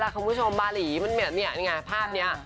คุณคุณชมบาหลีภาพนี้